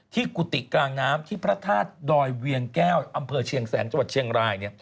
กุฏิกลางน้ำที่พระธาตุดอยเวียงแก้วอำเภอเชียงแสนจังหวัดเชียงราย